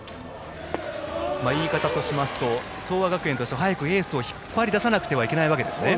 言い方としますと東亜学園としては早くエースを引っ張り出さなくてはいけないわけですね。